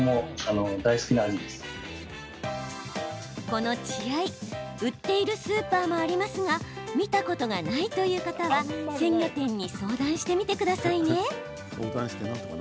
この血合い売っているスーパーもありますが見たことがないという方は鮮魚店に相談してみてくださいね。